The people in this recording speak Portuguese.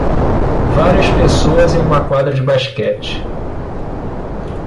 Várias pessoas em uma quadra de basquete.